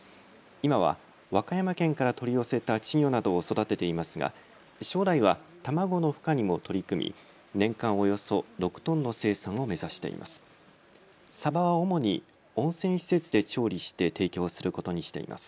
今は和歌山県から取り寄せた稚魚などを育てていますが将来は卵のふ化にも取り組み年間およそ６トンの生産を目指しています。